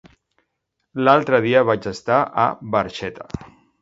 L'altre dia vaig estar a Barxeta.